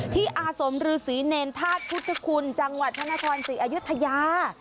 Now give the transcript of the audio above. ที่อาสมรือศรีเนรทาสพุทธคุณจังหวัดธนทรศรีอายุทยา